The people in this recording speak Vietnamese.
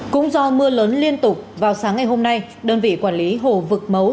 cũng do mưa lớn liên tục vào sáng ngày hôm nay đơn vị quản lý hồ vực mấu